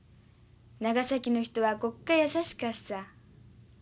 長崎の人はごっか優しかっさ。